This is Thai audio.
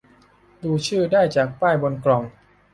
ดูชื่อได้จากป้ายบนกล่อง